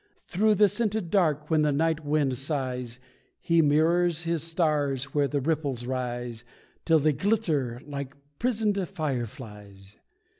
Through the scented dark when the night wind sighs, He mirrors His stars where the ripples rise, Till they glitter like prisoned fireflies.